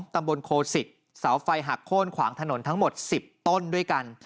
ตำบลโคศิกเสาไฟหักโค้นขวางถนนทั้งหมด๑๐ต้นด้วยกัน